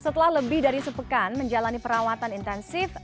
setelah lebih dari sepekan menjalani perawatan intensif